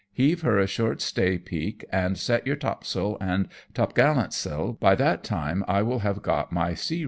Heave her a short stay peak and set your top sail and top gallant sail, by that time I will have got my sea rig on."